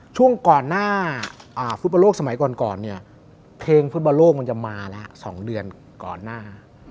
ช่วงก่อนหน้าฟุตบอลโลกสมัยก่อนเนี่ยเพลงฟุตบอลโลกมันจะมาแล้ว๒เดือนก่อนหน้า